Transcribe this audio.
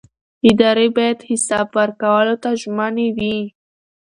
ادارې باید حساب ورکولو ته ژمنې وي